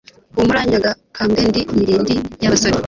Humura nyagakambwe ndi mirindi y,abasore